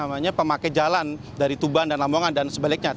tidak hanya dilalui oleh pemakai jalan dari tuban dan lambongan dan sebaliknya